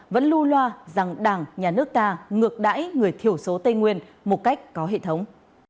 vẫn lưu loa rằng đảng nhà nước ta ngược đáy người thiểu số tây nguyên một cách có hệ thống